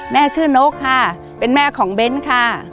แม่ชื่อนกค่ะเป็นแม่ของเบ้นค่ะ